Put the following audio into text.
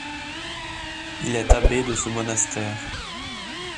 Il est abbé de ce monastère.